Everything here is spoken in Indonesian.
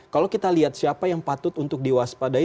kalau kita lihat siapa yang patut untuk diwaspadai